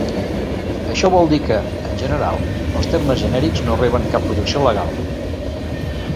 Això vol dir que, en general, els termes genèrics no reben cap protecció legal.